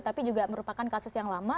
tapi juga merupakan kasus yang lama